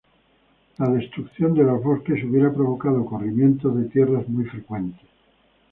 La destrucción de los bosques hubiera provocado corrimientos de tierras muy frecuentes.